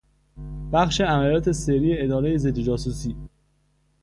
بخش عملیات سری ادارهی ضد جاسوسی